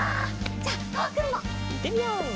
じゃとわくんも。いってみよう！